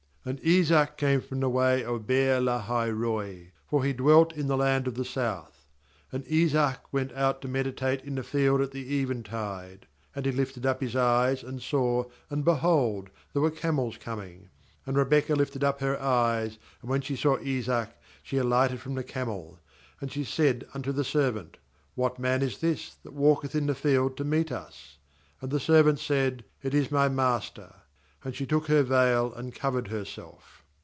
62And Isaac came from the way of Beer lahai roi; for he dwelt in the land of the South. ^And Isaac went out to meditate in the field at the eventide; and he lifted up his eyes, and saw, and, behold, there were camels coming. "And Rebekah lifted up her eyes, and when she saw Isaac, she alighted from the camel. 65And she said unto the servant: 'What man is this that walketh in the field to meet us?' And the servant said. 'It is my master.' And she took her veil, and covered herself.